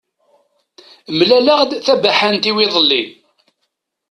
Mlaleɣ-d tabaḥant-iw iḍelli.